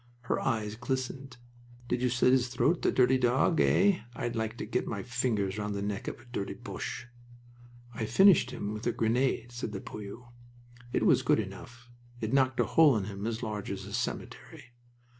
Her eyes glistened. "Did you slit his throat, the dirty dog? Eh, I'd like to get my fingers round the neck of a dirty Boche!" "I finished him with a grenade," said the poilu. "It was good enough. It knocked a hole in him as large as a cemetery.